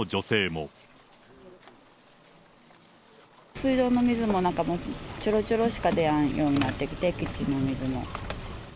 水道の水もなんかもう、ちょろちょろしか出ないようになってきて、キッチンの水も。